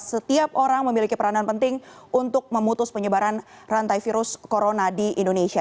setiap orang memiliki peranan penting untuk memutus penyebaran rantai virus corona di indonesia